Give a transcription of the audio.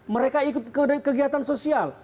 mereka ikut kegiatan sosial